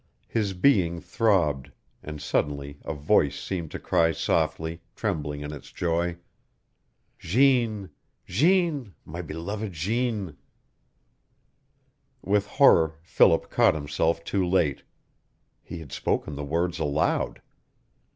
His being throbbed, and suddenly a voice seemed to cry softly, trembling in its joy: "Jeanne! Jeanne! My beloved Jeanne!" With horror Philip caught himself too late. He had spoken the words aloud.